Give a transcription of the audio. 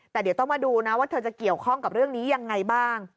แต่เดี๋ยวต้องมาดูนะว่าเธอจะเกี่ยวข้องกับเรื่องนี้ยังไงบ้าง